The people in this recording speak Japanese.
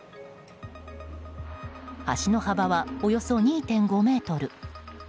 橋の幅は、およそ２．５ｍ。